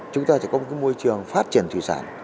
chúng ta sẽ có một môi trường phát triển thủy sản